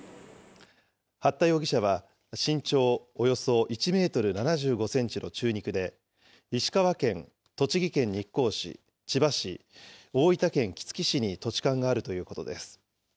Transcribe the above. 八田容疑者は、身長およそ１メートル７５センチの中肉で、石川県、栃木県日光市、千葉市、大分県杵築市に土地勘があるということです。